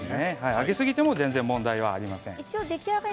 揚げすぎても問題がありません。